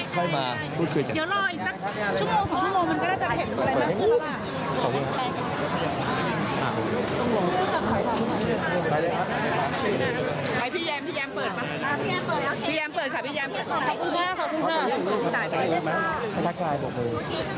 เดี๋ยวเราอีกสักชั่วโมงก็ล่าจะเห็น